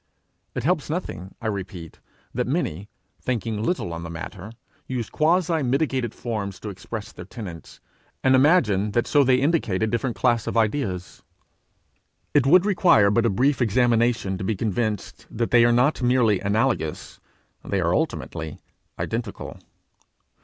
It helps nothing, I repeat, that many, thinking little on the matter, use quasi mitigated forms to express their tenets, and imagine that so they indicate a different class of ideas: it would require but a brief examination to be convinced that they are not merely analogous they are ultimately identical.